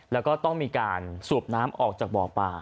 แล้วก็ต้องมีการสูบน้ำออกจากบ่อป่า